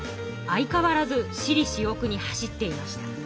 相変わらず私利私欲に走っていました。